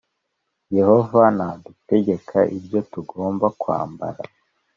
Yehova ntadutegeka ibyo tugomba kwambara